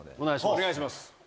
お願いします。